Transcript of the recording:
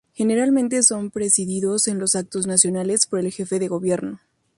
Generalmente son presididos, en los actos nacionales, por el jefe de gobierno.